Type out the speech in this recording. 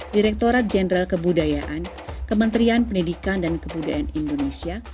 direkturat jenderal kebudayaan kementerian pendidikan dan kebudayaan indonesia